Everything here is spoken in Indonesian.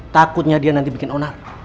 takutnya dia nanti bikin onar